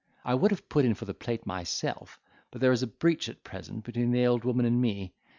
I would have put in for the plate myself, but there is a breach at present between the old woman and me.